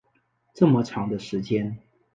这么长的时间